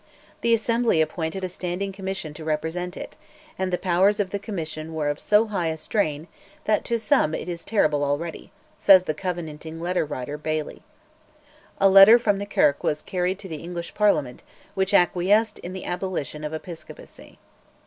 The Assembly appointed a Standing Commission to represent it, and the powers of the Commission were of so high a strain that "to some it is terrible already," says the Covenanting letter writer Baillie. A letter from the Kirk was carried to the English Parliament which acquiesced in the abolition of Episcopacy.